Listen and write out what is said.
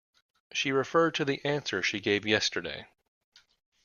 She referred to the answer she gave yesterday.